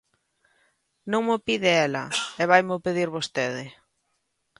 Non mo pide ela e vaimo pedir vostede!